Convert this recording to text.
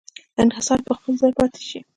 انحصار په خپل ځای پاتې شي.